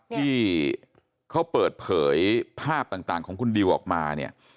ที่เขาเปิดเผยภาพต่างของคุณดิวออกมาเนี่ย